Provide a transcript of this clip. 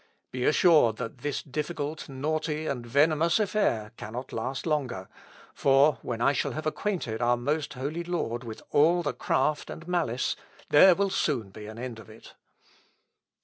Be assured that this difficult, naughty, and venomous affair, cannot last longer; for, when I shall have acquainted our most holy lord with all the craft and malice, there will soon be an end of it."